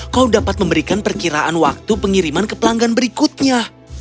kau dapat memberikan perkiraan waktu pengiriman ke pelanggan berikutnya